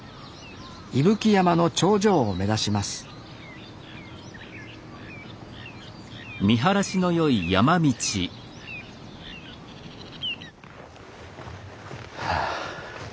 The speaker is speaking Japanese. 伊吹山の頂上を目指しますはあ